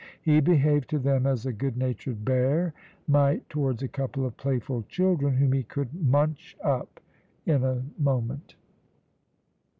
He behaved to them as a good natured bear might towards a couple of playful children whom he could munch up in a moment.